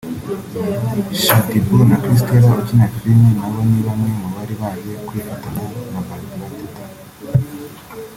Shaddy Boo na Christella ukina filime nabo ni bamwe mu bari baje kwifatanya na Barbara Teta